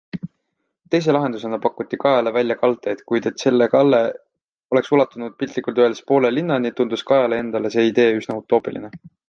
Teise lahendusena pakuti Kajale välja kaldteed, kuid et selle kalle oleks ulatunud piltlikult öeldes poole linnani, tundus Kajale endale see idee üsna utoopiline.